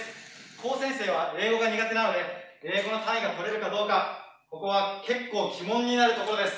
高専生は英語が苦手なので英語の単位が取れるかどうかここは結構鬼門になるところです。